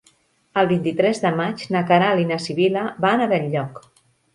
El vint-i-tres de maig na Queralt i na Sibil·la van a Benlloc.